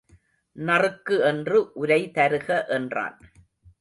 நறுக்கு என்று உரை தருக என்றான்.